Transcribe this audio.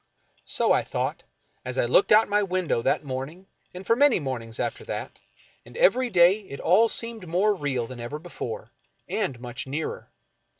So I thought, as I looked out of my window that morn ing and for many mornings after that, and every day it all seemed more real than ever before, and much nearer.